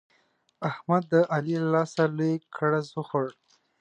احمد د علي له لاسه لوی ګړز وخوړ.